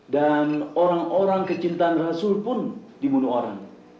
dan orang orang kecintaan rasul pun dibunuh orang